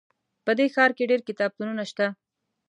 په دې ښار کې ډېر کتابتونونه شته